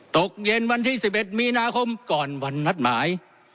ตกเย็นวันที่๑๑มีนาคมก่อนวันนัดหมาย